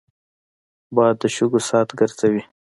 باد د شګو ساعت ګرځوي